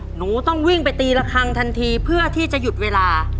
หนูต้องวิ่งไปตีละครั้งทันทีเพื่อที่จะหยุดเวลา